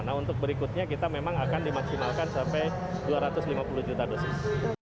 nah untuk berikutnya kita memang akan dimaksimalkan sampai dua ratus lima puluh juta dosis